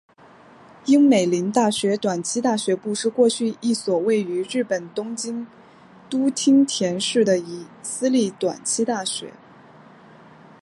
樱美林大学短期大学部是过去一所位于日本东京都町田市的私立短期大学。